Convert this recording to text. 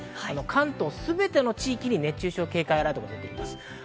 関東すべての地域に熱中症警戒アラートが出ています。